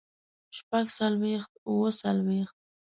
شپږ څلوېښت اووه څلوېښت